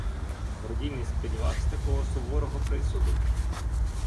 Гордій не сподівавсь такого суворого присуду?